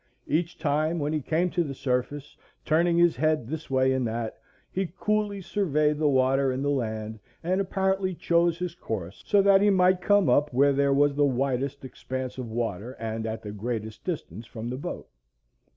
Each time, when he came to the surface, turning his head this way and that, he cooly surveyed the water and the land, and apparently chose his course so that he might come up where there was the widest expanse of water and at the greatest distance from the boat.